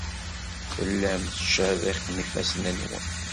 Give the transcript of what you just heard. Tellam tettcerriqem ifassen-nwen.